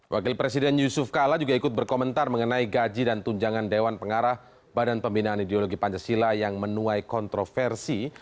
wakil presiden yusuf kala juga ikut berkomentar mengenai gaji dan tunjangan dewan pengarah badan pembinaan ideologi pancasila yang menuai kontroversi